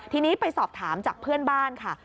ทีนี้ไปสอบถามจากเพื่อนบ้านค่ะ